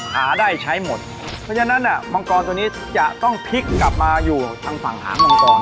หาได้ใช้หมดเพราะฉะนั้นมังกรตัวนี้จะต้องพลิกกลับมาอยู่ทางฝั่งหางมังกร